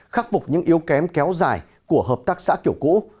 khắc phục những yếu kém kéo dài của hợp tác xã kiểu cũ